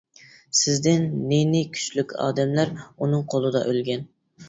سىزدىن نى-نى كۈچلۈك ئادەملەر ئۇنىڭ قولىدا ئۆلگەن.